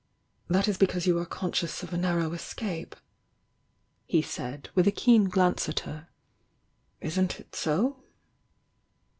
"That is because you are conscious of a narrow escape, he said, with a keen glance at her. "Isn't It BO?